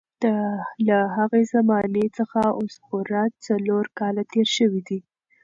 له هغې زمانې څخه اوس پوره څلور کاله تېر شوي دي.